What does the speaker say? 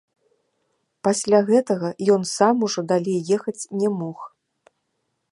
Пасля гэтага ён сам ужо далей ехаць не мог.